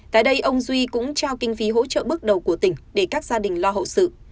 tại đây ông duy cũng trao kinh phí hỗ trợ bước đầu của tỉnh để các gia đình lo hậu sự